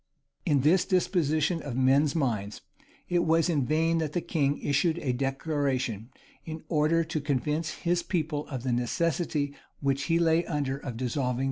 In this disposition of men's minds, it was in vain that the king issued a declaration, in order to convince his people of the necessity which he lay under of dissolving the last parliament.